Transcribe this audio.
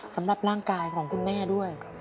สำหรับร่างกายของคุณแม่ด้วย